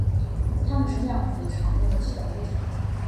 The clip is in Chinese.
它们是量子场论的基本物质。